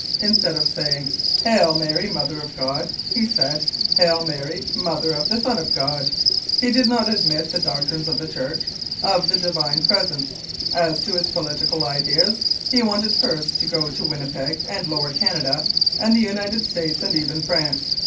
Instead of saying * Hail, Mary, Mother of God,' he said, ' Hail, Mary, Mother of the Son of God.' He did not admit the doctrines of the Church, of the Divine Presence. As to his political ideas, he wanted first to go to Winnipeg and Lower Canada and the United States and even France.